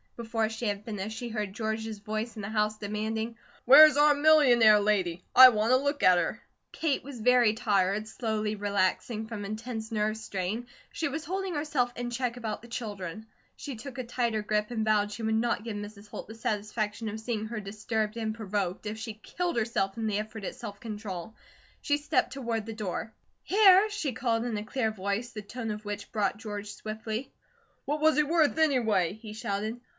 Before she had finished, she heard George's voice in the house demanding: "Where's our millionaire lady? I want a look at her." Kate was very tired, slowly relaxing from intense nerve strain, she was holding herself in check about the children. She took a tighter grip, and vowed she would not give Mrs. Holt the satisfaction of seeing her disturbed and provoked, if she killed herself in the effort at self control. She stepped toward the door. "Here," she called in a clear voice, the tone of which brought George swiftly. "What was he worth, anyway?" he shouted.